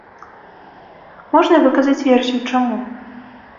Можна выказаць версію, чаму.